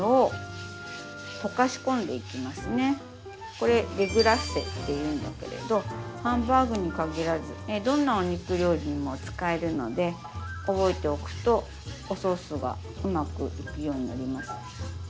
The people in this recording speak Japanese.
これデグラッセっていうんだけれどハンバーグに限らずどんなお肉料理にも使えるので覚えておくとおソースがうまくいくようになります。